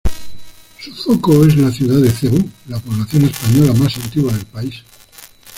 Su foco es la ciudad de Cebú, la población española más antigua del país.